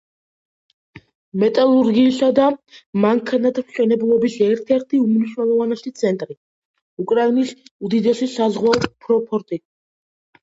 მეტალურგიისა და მანქანათმშენებლობის ერთ-ერთი უმნიშვნელოვანესი ცენტრი, უკრაინის უდიდესი საზღვაო პორტი.